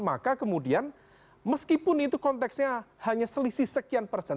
maka kemudian meskipun itu konteksnya hanya selisih sekian persen